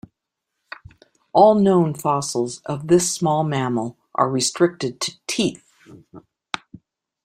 All known fossils of this small mammal are restricted to teeth.